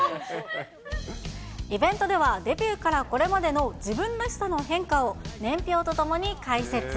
イベントでは、デビューからこれまでの自分らしさの変化を年表とともに解説。